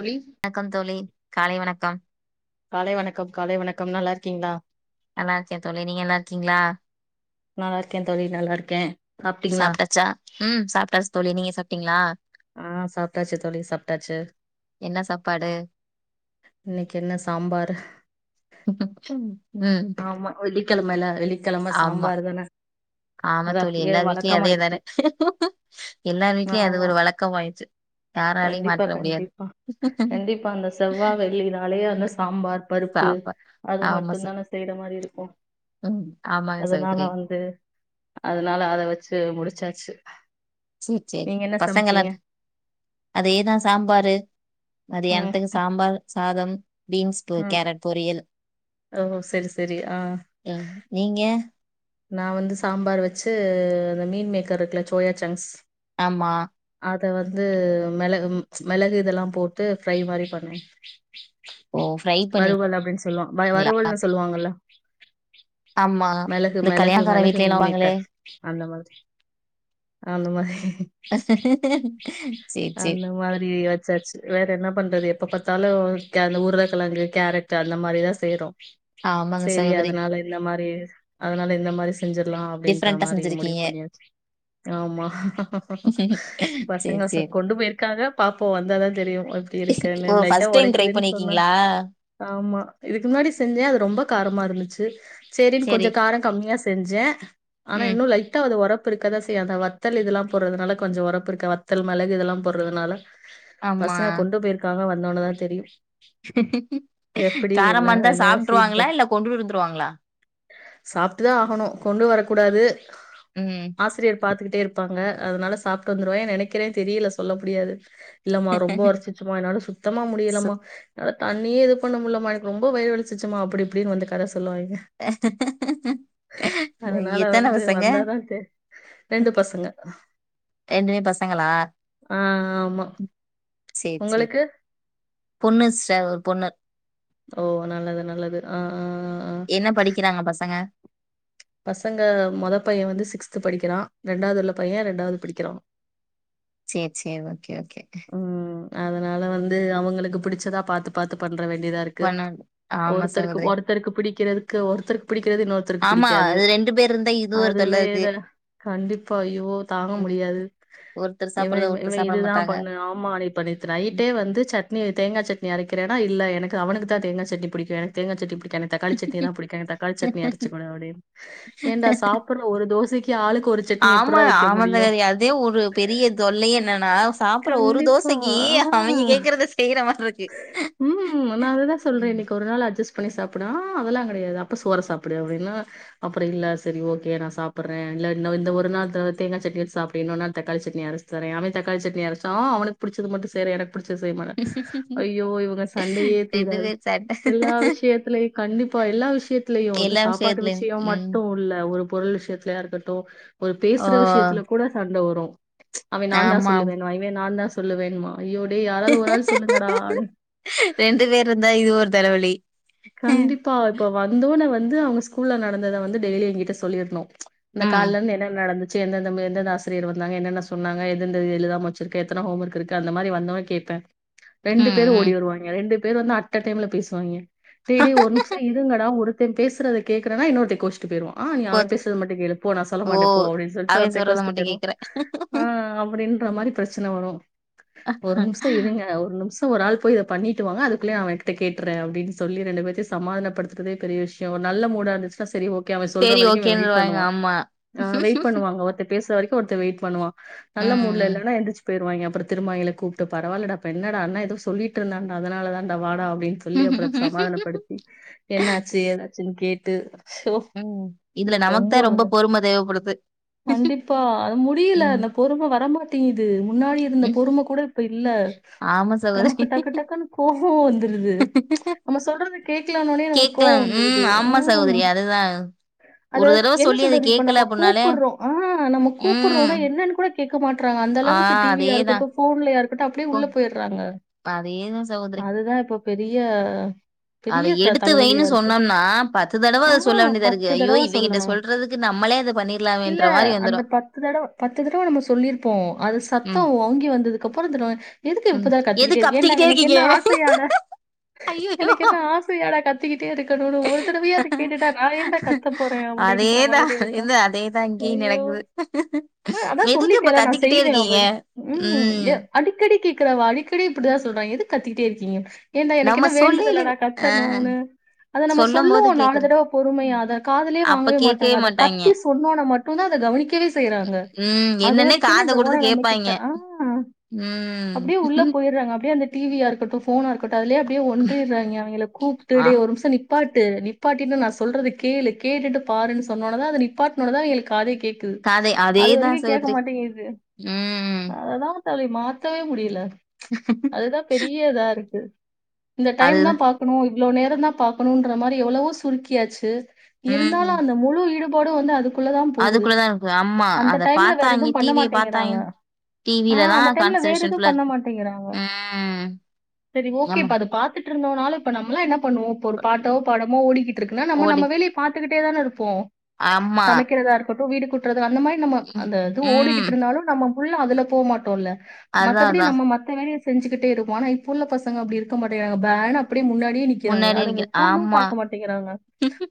தோழி ணக்கம் தோழி காலை வணக்கம் காலை வணக்கம் காலை வணக்கம் நல்லா இருக்கீங்ளா நல்லா இருக்கே தோழி நீங்க நல்லா இருக்கீங்ளா நல்லா இருக்கே தோழி நல்லாருக் சாப்ட்டாச்சா ம் சாப்ட்டாச்சு தோழி நீங்க சாப்ட்டீங்ளா ஆ சாப்ட்டாச்சு தோழி சாப்ட்டாச்சு என்ன சாப்பாடு இன்னைக்கு என்ன சாம்பாரு ம் ஆமா வெள்ளிக்கெழமல வெள்ளிக்கெழம ஆமா சாம்பாரு தான ஆமா அது தோழி அப்டியே எல்லா வீட்லயு அதேதானே வழக்கமாயிடுச்சு எல்லா வீட்லயு அது ஆமா ஒரு வழக்கம் ஆயிருச்சு கண்டிப்பா கண்டிப்பா கண்டிப்பா அந்த செவ்வா வெள்ளி நாளே யே வந்தா சாம்பார் பருப்பு சாப்பா அது ஆமா மட்டு ச தான செய்ற மாரி இருக்கு ம் ஆமாங்க அதனால சகோதரி வந்து அதனால அத வச்சு முடிச்சாச்சு சேரி சேரி நீங்க என்ன பசங்கலா சமச்சீங்க அதேதா சாம்பாரு ம் மதியானத்துக்கு சாம்பார் சாதம் பீன்ஸ்க்கு ம் கேரட் பொரியல் ஓ சேரி சேரி ஆ ம் நீங்க நான் வந்து சாம்பார் வச்சு அந்த மீன் மேக்கர் இருக்குல சோயா சங்ஸ் ஆமா அத வந்து மெளகும் மெளகு இதெல்லா போட்டு ஃப்ரை மாரி பண்ணுவே ஓ ஃப்ரை பண்ணீங்களா வறுவல் அப்டின் சொல்லு வய் வறுவல்னு சொல்லுவாங்கள்ல ஆமா மெளகு இந்த மெளகு கல்யாணக்கார மெளகு வீட்லலா வாங்களே மீன்மேக்கர் அந்த மாதிரி அந்த மா சேரி சேரி அந்த மாதிரி வச்சாச்சு வேற எ என்ன பண்றது எப்ப பாத்தாலு கே அந்த உருளக்கெழங்கு கேரட்டு அந்த மாரி தா செய்றோ ஆமாங்க சேரி சகோதரி அதனால இந்த மாரி அதனால இந்த மாரி செ செஞ்சிர்லா அப்டின்ற டிஃப்ரெண்டா மாரி முடிவு செஞ்சிருக்கீங்க பண்ணியாச்சு ஆமா பசங்க சேரி ச சேரி கொண்டு போயிருக்காங்க பாப்போ வந்தாதா தெரியு அ இப்டி இருக்கனு ஓ லைட்டா ஃபர்ஸ்ட் டைம் ட்ரை ஒரைக்குதுன்னு சொன்னாங் பண்ணிருக்கீங்களா ஆமா இதுக்கு முன்னாடி செஞ்சே அது ரொம்ப காரமா இருந்துச்சு சு சேரினு கொஞ்ச சேரி கார கம்மியா செஞ்சே ஆனா ம் இன்னு லைட்டா அது ஒரப் பு இருக்கதா செய்யு அந்த வத்தல் இதுலா போட்றதுனால கொஞ்ச ஒரப்பு இருக்கு வத்தல் மெளகு இதெல்லா போட்றதுனால ஆமா பசங்க கொண்டு போயிருக்காங்க வந்தோனதா தெரியு எப்டி என்ன காரமா இருந்தா என்ன சாப்ட்ருவாங்ளா இல்ல கொண்டுட்டு வந்துருவாங்ளா சாப்ட்டு தா ஆகணு கொண்டு வரக்கூடாது ம் ஆசிரியர் பாத்துக்கிட்டே இருப் பாங்க அதனால சாப்ட்டு வந்துருவேங்க நெனைக்கிறே தெரியல சொல்ல முடியாது இல்லமா ரொம்ப வலிசிச்சுமா என்னால சுத்தமா சு முடியலமா என்னால தண்ணியே இது பண்ண முல்லமா எனக்கு ரொம்போ வயிரு வலிச்சுசுமா அப்டி இப்டிபினு வந்து கத சொல்லுவான் இங்க அதனால எத்தன வந்து பசங்க வந்தாதா தெ ரெண்டு பசங்க ரெண்டுமே பசங்களா ஆ ஆமா சேரி சேரி உங்களுக்கு பொண்ணு ச ஒரு பொண்ணு ஓ நல்லது நல்லது ஆ ஆ ஆ என்ன படிக்கிறாங்க பசங்க பசங்க மொத பையன் வந்து சிக்ஸ்த் படிக்கிறான் ரெண்டாவது உள்ள பையன் ரெண்டாவது படிக்கிறா சேரி சேரி ஓகே ஓகே ம் அதனால வந்து அவுங்களுக்கு பிடிச்சதா பாத்து பாத்து ப ண்ற வேண்டியதா இருக்கு பண்ண ஆமா ஒருத்தருக்கு சகோதரி ஒருத்தருக்கு பிடிக்கிறதுக்கு ஒருத்தருக்கு பிடிக்கிறது இன்னொருத்தருக்கு ஆமா பிடிக்கா து அது ரெண்டு பேர் இருந்தா இது ஒரு தொல்ல இருக்கு அதுவேதா கண்டிப்பா அய்யோ தாங்க ம் முடியாது ஒருத்தர் இவன் சாப்பிறத ஒருத்தர் இவன் சாப்பிட இதுதா மாட்டாங்க பண்ணு ஆமா நீ இப்ப நேத்து னைட்டே வந்து சட்னி தேங்கா சட்னி அரைக்கிறேனா இல்ல எனக்கு அவனுக்குதா தேங்கா சட்னி புடிக்கு எனக்கு தேங்கா சட்டினி புடி எனக்கு தக்காளி சட்னிதா புடிக்கு எனக்கு தக்காளி சட்னி அரச்சு குடுங்க அப்டினு ஏன்டா சாப்பிடற ஒரு தோசைக்கு ஆளுக் ஆமா ஆமாங்க அதே ஒரு பெரிய தொல்லையே என்னனா சா அப்புறோ ஒரு கண்டிப்பா தோசைக்கு அவனுங்க ஆ கேக்குறத செய்றா ம் நா அதுதா சொல்றே ம் இன்னைக்கு ஒரு நாள் அட்ஜஸ் பண்ணி சாப்புனா அதெல்லாங் கெடையாது அப்ப சோர சாப்பிடு அப்டின்னா அப்புறோ இல்ல செரி ஓகே நா சாப்பிர்ற இல்ல இந்த இந்த ஒரு நாள் து தேங்கா சட்னி வெச்சி சாப்ட்டு இன்னோரு நாள் தக்காளி சட்னி அரச்சு தரேன் அவன் தக்காளி சட்னி அரச்சா ஆ அவனுக்கு புடி ச்சது மட்டு செய்யற எனக்கு புடிச்சத செய்ய மா அய்யோ இவங்க சண்டையே ரெண்டு தீராது பேர் சேட்ட எல்லா விஷ்யத்திலயு கண்டிப்பா எல்லா விஷ்யத்துலயு வந்து எல்லா சாப்பாட்டு விஷயத்துலயும் விஷ்யம் ம் மட்டு இல்ல ஒரு பொருள் விஷயத்தலயா இருக்கட்டு ஒரு ஓ பேசுற விஷயத்துல கூட சண்ட வரு அவன் நான்தா ஆமா சொல்லுவே நா இனிமே நான்தா சொல்லுவேன்மா அய்யோ டே யாராவது ஒரு ஆள் சொல்லு ரெண்டு வேர் இருந்தா இது ஒரு தலைவலி கண்டிப்பா இப்ப வந்தொன்ன வந்து அவுங்க ஸ்கூல்ல நடந்தத வந்து டெய்லி என்கிட்ட சொல்லிரனு இந்த ம் கால்ல இருந்து என்ன நடந்து ச்சு எந்தெந்த மா எந்தெந்த ஆசிரியர் வந்தாங்க என்னென்ன சொன்னாங்க எதுதெந்த எழுதாம வெச்சிருக்க எத்தன ஹோம் ஒர்க் இருக்கு அந்த மாரி வந்ததொன்ன கேப்பே ரெண்டு ம் பேரு ஓடி ம் வருவாங்க ரெண்டு பேர் வந்து அட்ட டைம்ல பேசுவாங்க டேய்‌ டேய் ஒரு நிமிஷோ இருங்கடா ஒருத்தர் பேசறத கேக்குறனா இன்னொருத்தன் கோச்சுட்டு போய்ருவான் ஆ நீ அவன் போச் பேசறது மட்டு கேளு போ நா சொல்ல ஓ மாட்டே போ அப்டின்னு சொல்ட்டு அவ ஒருத்தன் சொல்றத கோச்சுட்டு மட்டும் போய்ருவான் கேக்குற ஆ அப்டி ன்ற மாரி பிரச்சன வரு ஒரு நிமிஷோ இருங்க ஒரு நிமிஷ் ஒரு ஆள் போய் இத பண்ணிட்டு வாங்க அதுக்குள்ளயே அவன்கிட்ட கேட்டர்ற அப்டின் சொல்லி ரெண்டு பேத்தயு சமாதானப்படுத்துறதே பெரிய விஷ்யோ ஒரு நல்ல மூடா இருந்துச்சுன்னா செரி ஓ கே அவன் சொல்ற சரி வரைக்கு இவன் வெயிட் ஓகேன்னுருவாங்க பண்ணுவான் ஆமா ஆ வெயிட் பண்ணுவாங்க ஒருத்த பேசற வரைக் கு ஒருத்தன் வெயிட் பண்ணுவான் நல்ல ம் ம் மூட்ல இல்லனா எந்திர்ச்சு போய்ருவாய்ங்க அப்றோ திரும்ப அவிங்கள கூப்ட்டு பரவால்லடா இப்ப என்னடா அண்ணா எதோ சொல்லிட்டுருந்தான்டா அதனாலதான்டா வாடா அப்டின்னு சொல்லி அப்றோ ம். சமாதானப்படுத்தி என்னாச்சு ஏதாச்சுன்னு கேட்டு ஷோ! ம் இதுல எனக்கு நமக்குதா ரொம்ப அந்த- பொறும தேவப்படுது கண்டிப்பா அது முடில அந்த பொறும‌ வரமாட்டிங்குது முன்னாடி இருந்த ம். பொறும கூட இப்ப இல்ல ஆமா நமக்கு சகோதரி. டக்கு டக்குன்னு கோவோ வந்துருது நம்ம சொல் கேக்கலனொன்னயே நமக் கோவோ கேட்கலாம். ம். வந்துருது ஆமா ம் சகோதரி. அதுதான். அது ஒரு தடவ என்ன சொல்லி அது சொல்றது இப்ப கேட்கல நம்ம அப்டின்னாலே, கூப்புறோ ஆ நம்ம ம். கூப்புறோனா என்னன்னு கூட க்கமாட்றாங்க அந்த ஆ அளவுக்கு டி வியா அதேதான். இருக்கட்டு போன்லயா இருக்கட்டு அப்டியே உள்ள போய்டறாங்க இருங்க சகோதரி பெரிய அத பெரிய த எடுத்து வைன்னு தலவலியா இருக்கு சொன்னோம்னா, தடவ ஆ அத சொல்ல வேண்டியதா இருக்கு. பத்து ஐயோ! தடவ இவங்கிட்ட சொல்லணு சொல்றதுக்கு நம்மளே அத இல்ல பண்ணிரலாமேன்ற மாரி அந்த வந்துரும். பத்து தடவ பத்து தடவ நம்ம சொல்லிர்ப்போ அது சத்தோ ம். ஓங்கி வந்ததுக் அப்றோ இந்த நோ எதுக்கு எப் ம். பாத்தாலு கத்திக்கிட்டே எதுக்கு இருக் ஏன்டா அப்டிக்கிட்டே எனக் இருக்கீங்க? என்ன ஆசயாடா ஐயய்யோ! எனக்கு என்ன ஆசயாடா கத்துக்கிட்டே இருக்கணுனு ஒரு தடவயே அத கேட்டுட்டா நா ஏன்டா கத்த போறே அப்டின்ற மார் அதேதான். மாரி இருக்கு‌ அதேதான் அதேதான் இங்கேயும் அய்யோ நடக்குது. ஆ அதா எதுக்கு இப்ப சொல்லிட்டேல்ல நா கத்திக்கிட்டே செய்வே இருக்கீங்க? அப்டின்னு ம் ம் எ அடிக்கடி கேக்குறா அவ அடிக்கடி இப்டிதா சொல்றாங் எதுக் கத்திகிட்டே இருக்கீங்க ஏன்டா எனக்கு நம்ம என்ன வேண்டு சொல்லைல தலடா ஆ கத்தணுனு அத நம்ம சொல்லும்போது சொல்லுவோ நாலு கேக்குறது. தடவ பொறுமயா ம். அத காதுலயே அப்ப வாங்கவே மாட்டாங்க கேட்கவே அத மாட்டாய்ங்க. கத்தி சொன்னோன மட்டு தா அத கவனிக்கவே செய்றாங்க ம். அது என்னன்னே வரைக்குமே காத கவனோ குடுத்து நம்மகிட்ட கேப்பாய்ங்க. ஆ ம். அப்டியே உள்ள போய்றாங்க அப்டியே அந்த டீ வி யா இருக்கட்டு ஃபோனா இருக்கட்டு அதுலயே அப்டியே ஒன்றிர்றாய்ங்க அவிங்கள கூப்ட்டு ஆ டே ஒரு‌ மிஷோ நி ப்பாட்டு நிப்பாட்டினு நா சொல்றத கேளு கேட்டுட்டு பாருன்னு சொன்னவோன தா அத நிப்பாட்னோன தா அவிங்களுக் காதே கேக்குது காதை அது வரைவி அதேதான் கேக்க சகோதரி. மாட்டேங்கிது ம். அததா அதை மாத்தவே முடியில ப்ச் அதுதா பெரிய இதாருக்கு இந்த டைம் தா அதுதான். பாக்கனு இவ்ளோ நேரோ தா பாக்கணுன்ற மாரி எவ்வளவோ சுருக்கியாச்சு இருந்தாலு ம். அந்த முழு ஈடுபாடு வந்து அது க்குள்ளதா போகுது அதுக்குள்ள தான் இருக்கு. ஆமா. அந்த அத டைம்ல வேறெது பாத்தாய்ங்க, பண்ண டிவிய மாட்டேங்கிறாங்க பாத்தாய்ங்க. ஆ டிவில அந்த தான் டைம்ல வேற கான்சன்ட்ரேஷன் எது ஃபுல்லா பண்ண இருக்கு. மாட்டேங்கிறாங்க ம். செரி ஓகே ஆமா. இப்ப அத பா பாத்துட்டுருந்தோனாலு இப்ப நம்பளா என்ன பண்ணுவோ இப்ப ஒரு பாட்டோ படமோ ஓடிக்கிட்டு இருக்குனா நம்ம ஓடி நம்ம வேலய பாத்துக்கிட்டே தான இரு ப்போ ப்ச் ஆமா. சமைக்கிறதா இருக்கட்டு வீடு கூட்டுறது அந்த மாரி நம்ம ம். அந்த இது ம். ஓடிக்கிட்ருந்தாலு நம்ம உள்ள அதுல போமாட்டோல்ல அதான் மத்தபடி அதான். நம்ம மத்த வேலய செஞ்சுக்கிட்டே இருப்போ ஆனா இப்புள்ள பசங்க அப்டி இரு க்க மாட்டேகிறாங்க பேனு அப்டியே முன்னாடியே நிக்கிறாங்க முன்னாடியே அத நிக்கிறேன். ஒக்காந்து ஆமா. பாக்க மாட்டேகிறாங்க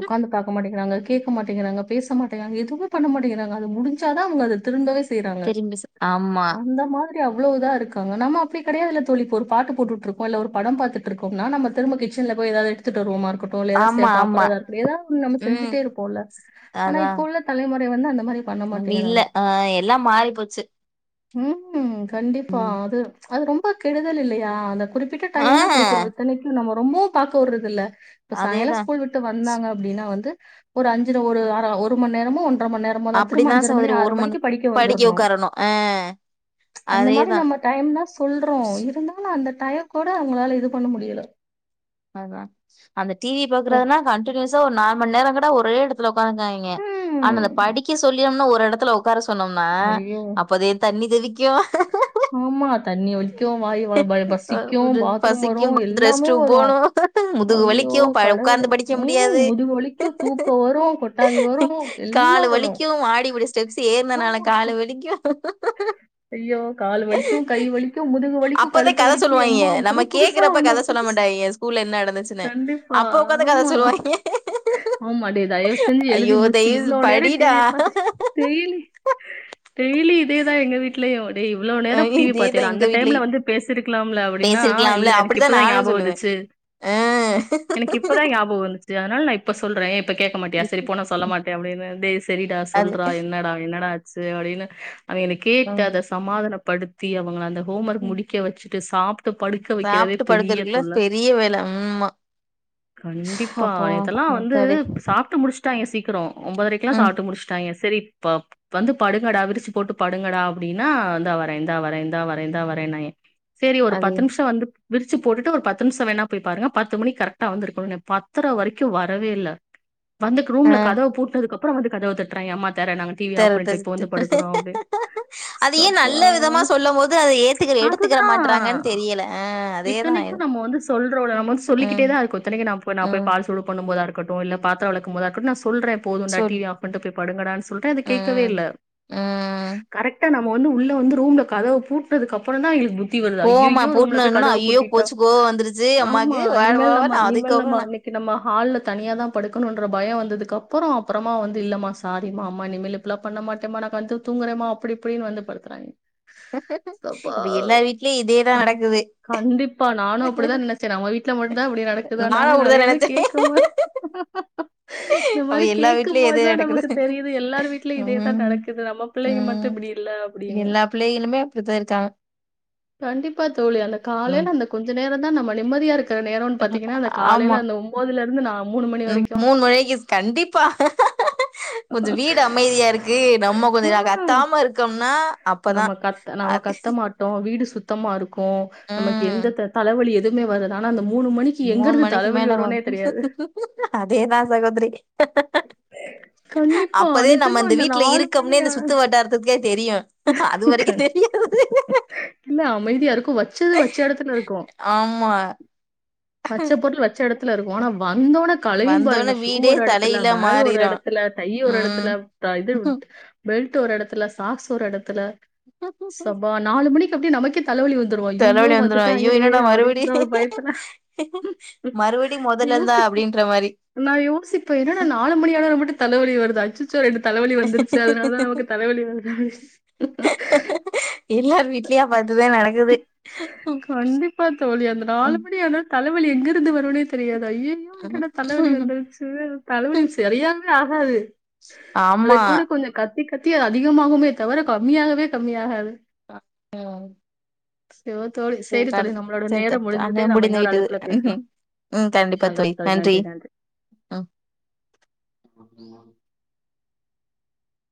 ஒக்காந்து பாக்க மாட்டே கிறாங்க கேக்க மாட்டேகிறாங்க பேச மாட்டேகிறாங்க எதுமே பண்ண மாட்டேகிறாங்க அது முடிஞ்சா தா‌ அவுங்க அத திரும்பவே செய்றாங்க திரும்பி ச ஆமா அந்த மாரி கு அவ்ளோ‌ இதா இருக்காங்க நம்ம அப்டி கெடையாதில்ல தோழி இப்ப ஒரு பாட்டு போட்டுட்ருக்கோ இல்ல ஒரு படோ பாத்துட்ருக்கோம்னா நம்ம திரும்ப கிச்சன்ல போய் ஏதாவது எடுத்துட்டு வருவோமா குட்டு இல்ல ஏதாவது ஆமா சேந் ஆமா சாப்றதா இருக்கட்டு ஏதாவது ஒண்ணு நம்ம ம் செஞ்சிட்டே இருப்போல ஆனா அதா இப்போ உள்ள தலைமுறை வந்து அந்த மாரி பண்ண மாட்டேங்கிறாங்க. இல்ல ஆ எல்லா மாறி போச்சு ம் கண்டிப்பா அது ப்ச் அது ரொம்ப கெடுதல் இல்லையா அந்த குறிப்பிட் ஆ டைம் தா குடுக்குறோ இத்தனைக்கு நம்ம ரொம்போ பாக்கவுறதில்ல இப்ப சாயங்காலோ அதேதா ஸ்கூல் விட்டு வந்தாங்க அப்டின்னா வந்து ஒரு அஞ்சர ஒரு ஆற ஒருமண் நேரமோ ஒன் றமண் நேரமோ தா திரும்ப அப்டிதா அஞ்சர மணி சகோதரி ஆறு ஒரு மணிக்கு படிக்க வந்தர்ணு உக்காரணு ஆ ம்ச் அந்த மாரி அதேதா நம்ம டைம் தா சொல்றோ இருந்தாலு அந்த தய கூட அவுங்களால இது பண்ண முடியல அதா அந்த டிவி ஓ பாக்குறனா கண்டினியூஸா ஒரு நால் மண் நேரோ கூட ஒரே எடத்துல ஒக்காருங்காய்ங்க ஆனா இந்த ம் படிக்க சொல்லியும்னு ஒரு எடத்துல ஒக்கார சொன்னோம்னா ஐயோ அப்போதே தண்ணி தெவிக் ஆமா தண்ணி ஒலிக்கு வாய் வ பாய் பசிக்கு ஒரு பாத்ரூம் வரு பசிக்கு பத்து ரெஸ்ட் எல்லாமே வ ரூம் ரு போனு முதுகு ஐய்யோ வலிக்கு ப கடவுளே உட்கார்ந்து படிக்க ம் முடியாது முதுகு வலிக்கு தூக்க வரு கொட்டாவி வ காலு வலிக்கு மாடிபடி ஸ்டெப்ஸ் ஏர்னனால காலு வலிக்கு ஐய்யோ காலு வலிக்கு கை வலிக்கு முதுகு வலிக்கு அப்பதா கழுத்து கத வலிக்கு எம்மா புது புதுசா ஒண்ணு புதுஸ் டையெ ஸ்கூல்ல என்ன நடந்துச்சுனு அப்ப ஒக்காந்து கத ஆமா சொல்வாய்ங்க ஆமா டே தயவு செஞ்சி எழுதி முடிச்ட்டு தயவு இவ்ளோ நேர படிடா டிவிய பாத்துட்டு டெய்லி டெய்லி இதேதா எங்க வீட்லயோ டே இவ்ளோ அ நேரோ டிவி இதேதா பாத்தில்ல எங்க அந்த டைம்ல வீட்லயு வந்து பேசிருக்கலாம்ல அப்படின்னா இல்ல பேசிருக்கலாம்ல எனக்கு அப்படித்தா இப்பதா நானு ஞாபக சொல்லுவே வந்துச்சு அ எனக் இப்பதா ஞாபகோ வந்துர்ச்சுர அதனால நான் இப்ப சொல்றே ஏ இப்ப கேக்க மாட்டியா செரி போ நா சொல்ல மாட்டே அப்டினு டே செரிடா அது சொல்றா என்னடா என்னடா ஆ ச்சு அப்டினு அவிங்க என்ன கேட்டு ம் அத சமாதானப்படுத்தி அவுங்கள அந்த ஹோம் ஒர்க் ம் முடிக்க வச்சு சாப்ட்டு படுக்க வெக்கிறதே சாப்ட்டு பெரிய படுக்கறக்குள்ள தொல்ல பெரிய வேல ஆமா கண்டிப்பா அப்போ இதெல்லா வந்து முத்தாடி சாப்ட்டு முடிச்சு சீக்கிரம் ஒன்பதுரைக்கும்ல்லா ம் சாப்ட்டு முடிச்சட்டாங்க சரி இப்ப வந்து படுகடா விரிச்சு போட்டு படுங்கடா அப்படின்னா இந்தா வரை இந்தா வர இந்தா வரே இந்தா வரன்னாங்க சரி ஒரு அது பத்து நிமிஷம் வந்து விரிச்சு போட்டுட்டு ஒரு பத்து நிமிஷம் வேணா போய் பாருங்க பத்து மணி கரெக்டா வந்து இருக்கணும் என் பத்தரை வரைக்கு வரவே இல்ல வந்துக்கு ஆ ரூம்ல கதவ பூட்னது அப்புறம் வந்து கதவை தட்டுராங்கா அம்மா தெற நாங்க டிவி ஆஃப் பண்ணிட்டு இப்போ வந்து படு க்ரோ அப்டின் அத ஏ நல்ல விதமா சொல்லும் போது அதை ஏத்துக்க எடுத்துக்கிற அதுதா மாட்டறாங்கன்னு தெரியல அதேதான் இத்தனைக்கு நம்ம வந்து சொல்றோ நம்மந்து சொல்லிக்கிட்டே தான் இருக்கோ இத்தனைக்கு நம் நான் போ ம் பால்சூடு பண்ணும் போத இருக்கு கட்டும் இல்ல பாத்தர வெளக்க போதா இருக்கட்டு நான் சொல்றே போது டா சொல்லு டிவி ஆஃப் பண்ணிட்டு போய் படுங்கடா சொல் ர அதை கேட்கவே ம் இல்ல ம் கரெக்டா நம்ம வந்து உள்ள வந்து ரூம்ல கதவு பூட்னதுக்குப்புறம் தான் அவங்களுக்கு புத் த்தி வருதா கோவமா ஐயயோ ரூம்ல போட்டுனு போய் இருந்தோன கதவை ஐயோ பூட்டிட்டா போச்சு கோவோ வந்துருச்சு ஆமா அம்மாக்கு வாட நீிமல் வாவான்னு நம்மல் இனிம்மா அதுக்கப்புறோ நம்ம நா இன்னைக்கு நம்ம ஹால்ல தனியா தான் படுக்கணும்ன்ற பயம் வந்ததுக்கு அப்புறம் அப்புறமா வந்து இல்லமா சாரிமா அம்மா இனிமல் பண்ண மாட்டமா நாங்க வந்து தூங்கறமா அப்படி இப்படின்னு வந்து படுத்துறாங்க சப்பா அப்ப எல்லார் வீட்லயு இதேதா நடக்குது கண்டிப்பா நானும் அப்படிதான் நினைச் நம்ம வீட்டு வீட்ல மட்டுும்தான் இப்படி நடக்குது ந நானு அப்டிதா நிறைய நெனச்சே கேட்க இந்த அப்ப மாதிரி எல்லா கேட்க வீட்லயு இதே இதுதான் நமக்கு நடக்குது தெரியுது எல்லார் வீடலயும் இதேதான் ம் நடக்குது நம்ம பிள்ளைங்க ம் மட்டும் இப்படி இல்லை அப்படின்னு எல்லா பிள்ளைகளுமே அப்படித்தான் இருக்காங்க கண்டிப்பா தோழி அந்த ம் காலையில அந்த கொஞ்ச நேரம் தான் நம்ம நிம்மதியா இருக்கு சில நேரம்ன்னு பாத்தீங்கன்னா அந்த ஆமா காலையில அந்த ஒன்பதுல இருந்து நான் மூணு மணி ம் வரைக்கு கொஞ்ச வீடு அமைதியா இருக்கு நம்ம கொஞ்ச நா ம் கத்தாம இருக்கம்னா நம்ம கத்த நம் கத்த மாட்டோ வீடு சுத்தமா இருக்கு நமக்கு எந்த தலைவலி எதுவுமே வருர்துான அந்த மூணு மணிக்கு எங்க மூன் இருந்து மணிக்கு தலவலி மேல வரும்னே தெரியாது அதே தா சகோதரி கண்டிப்பா அப்பதே நம்ம நிஜமா இந்த அந்த வீட்ல நாலு மணி இருக்கம்னே இந்த சுத்து வட்டாரத்துத்துக்கே தெரியு ஆ அதுவரைக்கு தெரியாது இப்ப வச்சது வச்ச எடத்துல இருக்கு ஆமா வச்ச பொருள் வச்ச எடத்துல இருக்கு ஆனா வந்தோடனே கலையும் பாருங்க வந்தோனே ஷூ வீடே ஒரு எடத்துல தலைகீழா பேக் ஒரு மாறிரு எடத்துல டை ஒரு எடத்தல்ல இது பெல்ட் ஒரு எடத்துல சாக்ஸ் ஒரு எடத்துல ம் சப்பா நாலு மணிக்கு அப்படியே நமக்கே தலைவலி வந்துரு ஐயையோ தலவலி வந்துரு ஐயோ வந்துட்டாங்களே இனோடா மறுபடி அப்டின்ற ஒரு பயத்துல மறுபடி மொதல் ந்தா அப்படின்ற மாரி நான் யோசிப்ப என்னாடா நாலு மணியாளலவு மட்டும் தலைவலி வருதா அச்சச்சோ என ரெண்டு தலைவலி வந்துருச்சு அதனால தான் நமக்கு தலைவலி வரு எல்லா வீட்லியும் அப்போ அதுவே நடக்குது கண்டிப்பா தோழி அந்த நாலு மணி ஆன தலைவலி எங்க இருந்து வரும்னே தெரியாது ஐயோ வ தலைவலி வந்துருச்சு தலைவலியும் சரிய ஆகாது அது ஆமா கூட கொஞ்சம் கத்தி கத்தி அது அதிகமாகமே தவற கம்மியாகவே கம்மியாகது ஆ ம் ஐயோ! தோழி சரி தோழி நம்மளோட [unintelligible] நேரம் முடிஞ்சது. அன நம்ம முடிந்த இன்னொரு வீட்டது அழைப்புல பேசலாம். ம் கண்டிப்பா தோழி நன்றி ம் [unintelligible]